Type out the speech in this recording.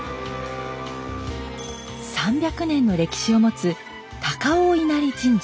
３００年の歴史を持つ高尾稲荷神社。